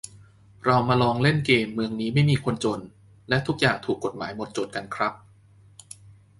เรามาลองเล่นเกมเมืองนี้ไม่มีคนจนและทุกอย่างถูกฎหมายหมดจดกันครับ